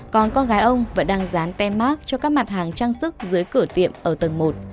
còn con gái ông vẫn đang dán tem mát cho các mặt hàng trang sức dưới cửa tiệm ở tầng một